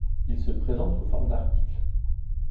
Il se présente sous forme d'articles.